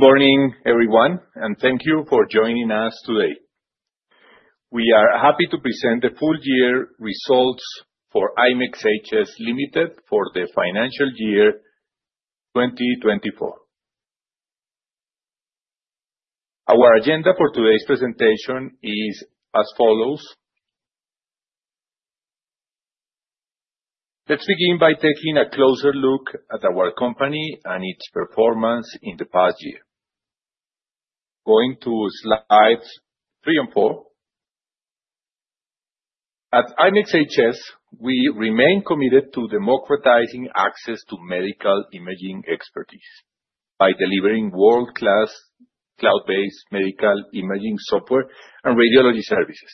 Good morning, everyone, and thank you for joining us today. We are happy to present the full-year results for IMEXHS Limited for the financial year 2024. Our agenda for today's presentation is as follows. Let's begin by taking a closer look at our company and its performance in the past year. Going to Slides 3 and 4. At IMEXHS, we remain committed to democratizing access to medical imaging expertise by delivering world-class cloud-based medical imaging software and radiology services.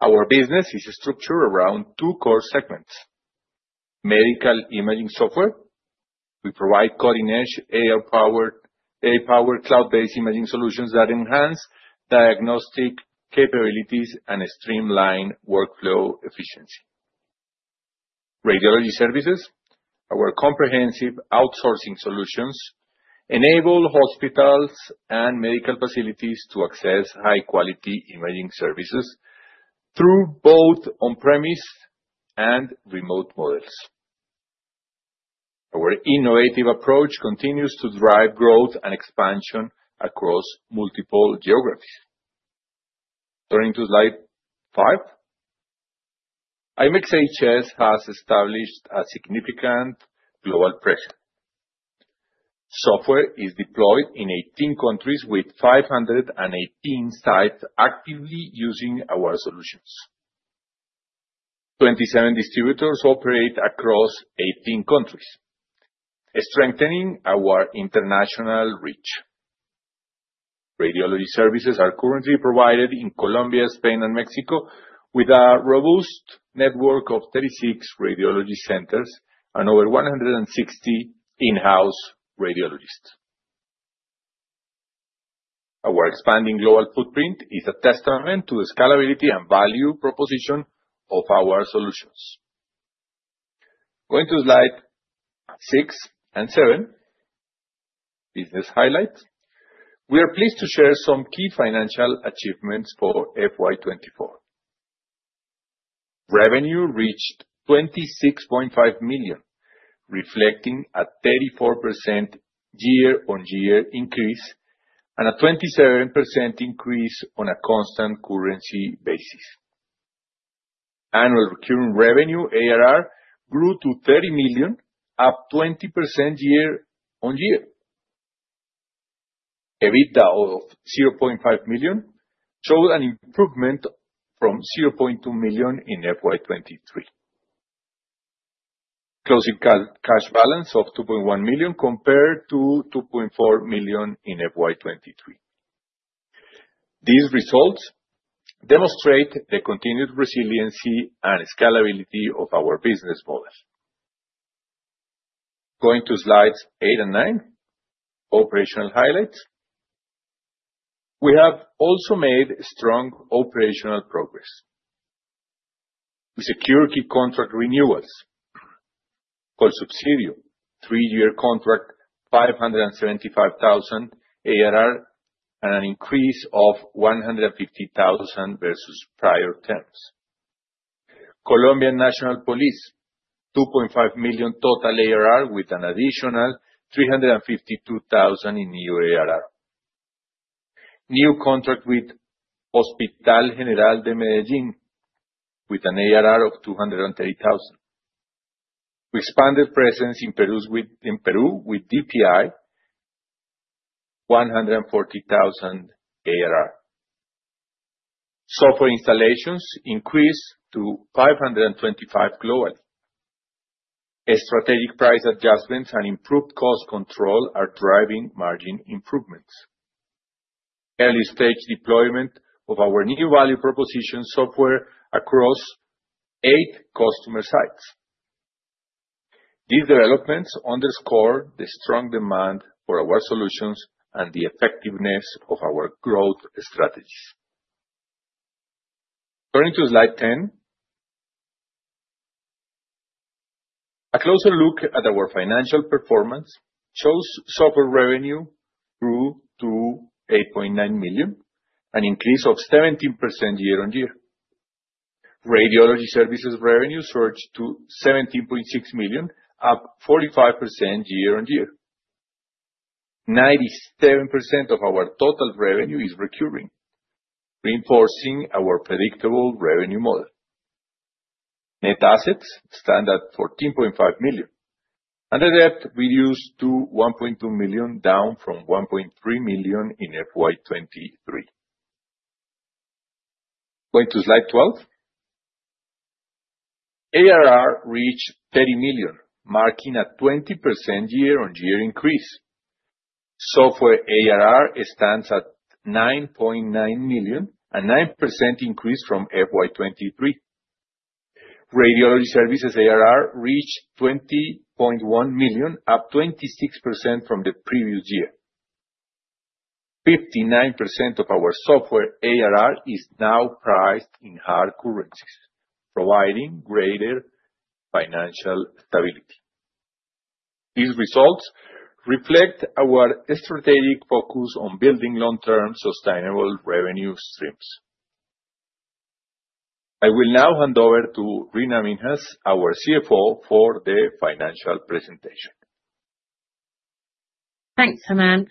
Our business is structured around two core segments: medical imaging software. We provide cutting-edge, AI-powered cloud-based imaging solutions that enhance diagnostic capabilities and streamline workflow efficiency. Radiology services, our comprehensive outsourcing solutions, enable hospitals and medical facilities to access high-quality imaging services through both on-premise and remote models. Our innovative approach continues to drive growth and expansion across multiple geographies. Turning to Slide 5, IMEXHS has established a significant global presence. Software is deployed in 18 countries with 518 sites actively using our solutions. 27 distributors operate across 18 countries, strengthening our international reach. Radiology services are currently provided in Colombia, Spain, and Mexico, with a robust network of 36 radiology centers and over 160 in-house radiologists. Our expanding global footprint is a testament to the scalability and value proposition of our solutions. Going to Slide 6 and 7, business highlights. We are pleased to share some key financial achievements for FY 2024. Revenue reached 26.5 million, reflecting a 34% year-on-year increase and a 27% increase on a constant currency basis. Annual recurring revenue, ARR, grew to 30 million, up 20% year-on-year. EBITDA of 0.5 million showed an improvement from 0.2 million in FY 2023. Closing cash balance of 2.1 million compared to 2.4 million in FY 2023. These results demonstrate the continued resiliency and scalability of our business model. Going to Slides 8 and 9, operational highlights. We have also made strong operational progress. We secured key contract renewals, Colsubsidio, three-year contract, 575,000 ARR, and an increase of 150,000 versus prior terms. Colombian National Police, 2.5 million total ARR with an additional 352,000 in new ARR. New contract with Hospital General de Medellín with an ARR of 230,000. We expanded presence in Peru with DPI, 140,000 ARR. Software installations increased to 525 globally. Strategic price adjustments and improved cost control are driving margin improvements. Early-stage deployment of our new value proposition software across eight customer sites. These developments underscore the strong demand for our solutions and the effectiveness of our growth strategies. Turning to Slide 10, a closer look at our financial performance shows software revenue grew to 8.9 million, an increase of 17% year-on-year. Radiology services revenue surged to 17.6 million, up 45% year-on-year. 97% of our total revenue is recurring, reinforcing our predictable revenue model. Net assets stand at 14.5 million. The debt reduced to 1.2 million, down from 1.3 million in FY 2023. Going to Slide 12, ARR reached 30 million, marking a 20% year-on-year increase. Software ARR stands at 9.9 million, a 9% increase from 2023. Radiology services ARR reached 20.1 million, up 26% from the previous year. 59% of our software ARR is now priced in hard currencies, providing greater financial stability. These results reflect our strategic focus on building long-term sustainable revenue streams. I will now hand over to Reena Minhas, our CFO, for the financial presentation. Thanks, German.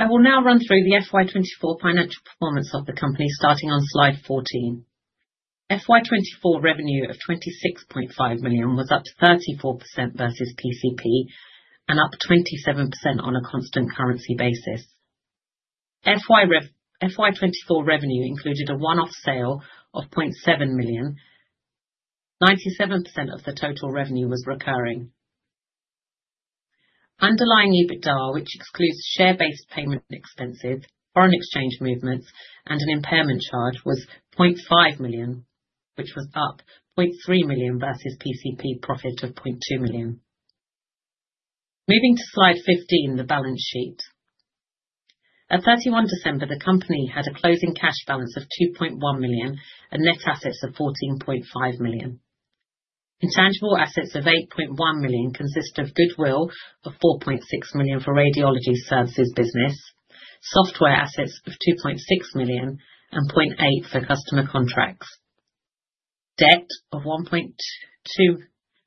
I will now run through the FY 2024 financial performance of the company, starting on Slide 14. FY 2024 revenue of 26.5 million was up 34% versus PCP and up 27% on a constant currency basis. FY 2024 revenue included a one-off sale of 0.7 million. 97% of the total revenue was recurring. Underlying EBITDA, which excludes share-based payment expenses, foreign exchange movements, and an impairment charge, was 0.5 million, which was up 0.3 million versus PCP profit of 0.2 million. Moving to Slide 15, the balance sheet. At 31 December, the company had a closing cash balance of 2.1 million and net assets of 14.5 million. Intangible assets of 8.1 million consist of goodwill of 4.6 million for radiology services business, software assets of 2.6 million, and 0.8 million for customer contracts. Debt of 1.2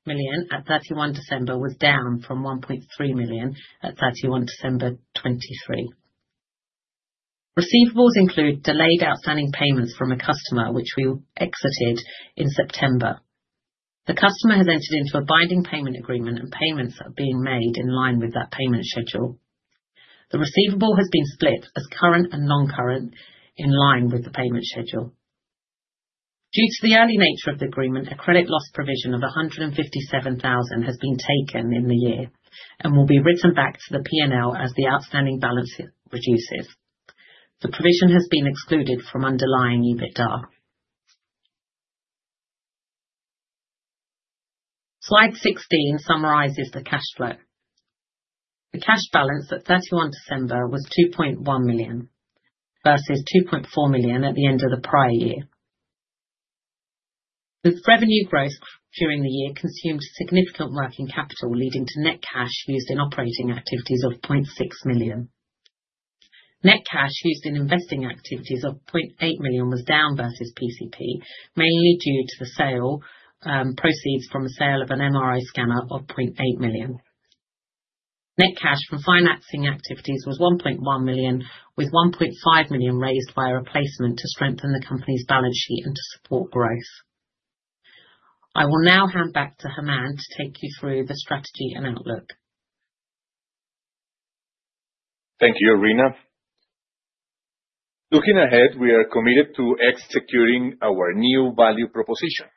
million at 31 December was down from 1.3 million at 31 December 2023.Receivables include delayed outstanding payments from a customer, which we exited in September. The customer has entered into a binding payment agreement, and payments are being made in line with that payment schedule. The receivable has been split as current and non-current in line with the payment schedule. Due to the early nature of the agreement, a credit loss provision of 157,000 has been taken in the year and will be written back to the P&L as the outstanding balance reduces. The provision has been excluded from underlying EBITDA. Slide 16 summarizes the cash flow. The cash balance at 31 December was 2.1 million versus 2.4 million at the end of the prior year. The revenue growth during the year consumed significant working capital, leading to net cash used in operating activities of 0.6 million.Net cash used in investing activities of 0.8 million was down versus PCP, mainly due to the sale proceeds from the sale of an MRI scanner of 0.8 million. Net cash from financing activities was 1.1 million, with 1.5 million raised via placement to strengthen the company's balance sheet and to support growth. I will now hand back to German to take you through the strategy and outlook. Thank you, Reena. Looking ahead, we are committed to executing our new value proposition,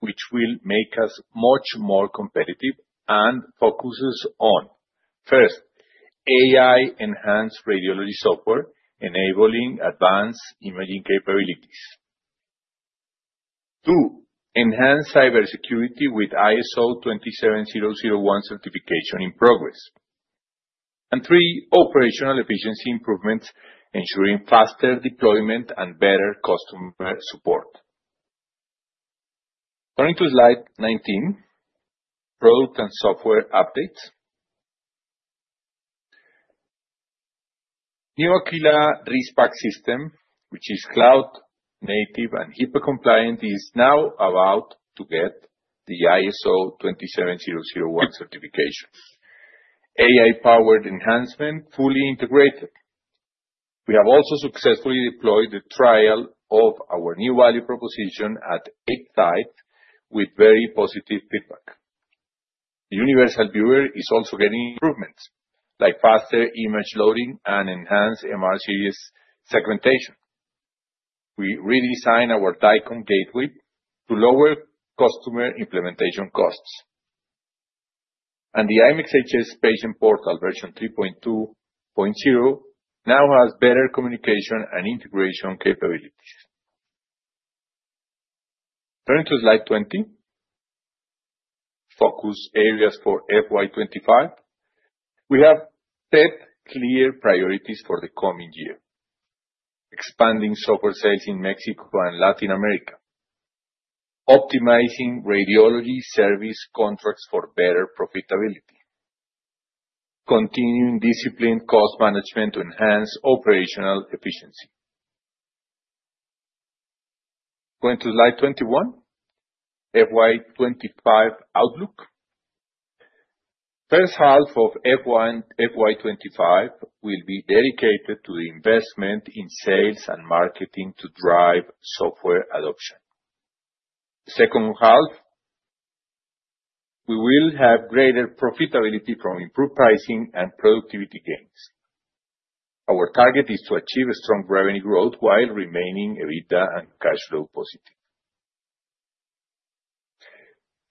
which will make us much more competitive and focuses on, first, AI-enhanced radiology software enabling advanced imaging capabilities. Two, enhanced cybersecurity with ISO 27001 certification in progress. Three, operational efficiency improvements, ensuring faster deployment and better customer support. Turning to Slide 19, product and software updates. New Aquila RIS/PACS system, which is cloud-native and HIPAA compliant, is now about to get the ISO 27001 certification. AI-powered enhancement fully integrated. We have also successfully deployed the trial of our new value proposition at eight sites with very positive feedback. The Universal Viewer is also getting improvements, like faster image loading and enhanced MR series segmentation. We redesigned our DICOM gateway to lower customer implementation costs. The IMEXHS Patient Portal, version 3.2.0, now has better communication and integration capabilities. Turning to Slide 20, focus areas for FY 2025. We have set clear priorities for the coming year: expanding software sales in Mexico and Latin America, optimizing radiology service contracts for better profitability, continuing disciplined cost management to enhance operational efficiency. Going to Slide 21, FY 2025 outlook. First half of FY 2025 will be dedicated to the investment in sales and marketing to drive software adoption. Second half, we will have greater profitability from improved pricing and productivity gains. Our target is to achieve strong revenue growth while remaining EBITDA and cash flow positive.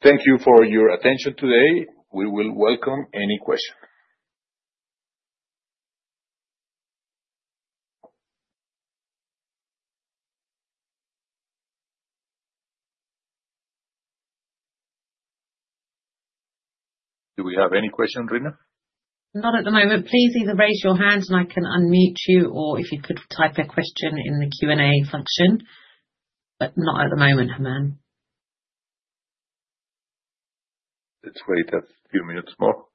Thank you for your attention today. We will welcome any questions. Do we have any questions, Reena? Not at the moment. Please either raise your hand and I can unmute you, or if you could type a question in the Q&A function. Not at the moment, German. Let's wait a few minutes more.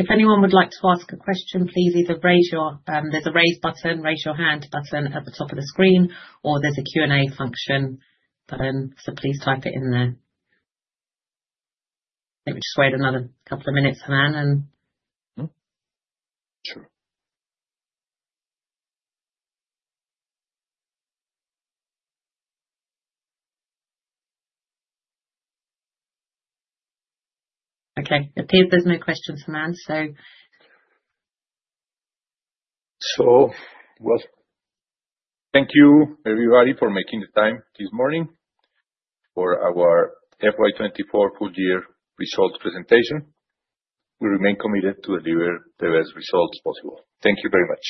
Yeah. If anyone would like to ask a question, please either raise your—there is a raise hand button at the top of the screen, or there is a Q&A function. Please type it in there. Let me just wait another couple of minutes, German, and... Sure. Okay. It appears there's no questions, German, so... Thank you, everybody, for making the time this morning for our FY 2024 full-year results presentation. We remain committed to deliver the best results possible. Thank you very much.